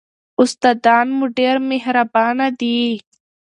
استادان مو ډېر مهربان دي.